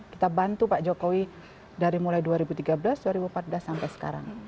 kita bantu pak jokowi dari mulai dua ribu tiga belas dua ribu empat belas sampai sekarang